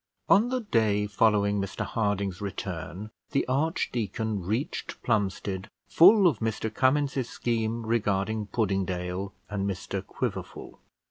On the day following Mr Harding's return, the archdeacon reached Plumstead full of Mr Cummins's scheme regarding Puddingdale and Mr Quiverful.